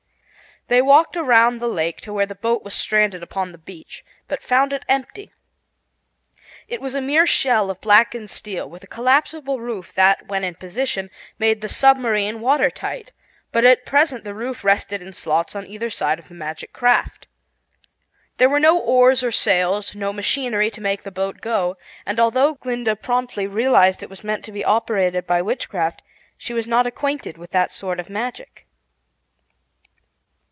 They walked around the lake to where the boat was stranded upon the beach, but found it empty. It was a mere shell of blackened steel, with a collapsible roof that, when in position, made the submarine watertight, but at present the roof rested in slots on either side of the magic craft. There were no oars or sails, no machinery to make the boat go, and although Glinda promptly realized it was meant to be operated by witchcraft, she was not acquainted with that sort of magic.